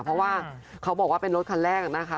เพราะว่าเขาบอกว่าเป็นรถคันแรกนะคะ